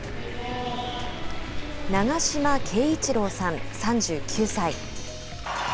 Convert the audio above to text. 長島圭一郎さん、３９歳。